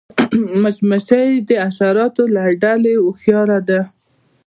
مچمچۍ د حشراتو له ډلې هوښیاره ده